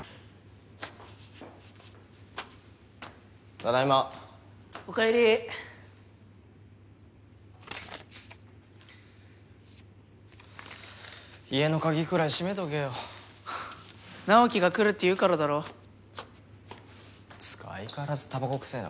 ただいま・おかえり・家の鍵くらい閉めとけよ直己が来るって言うからだろつうか相変わらずタバコ臭ぇな